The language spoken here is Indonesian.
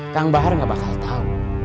kang bahar gak bakal tau